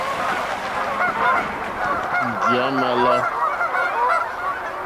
Ndí à mà lá.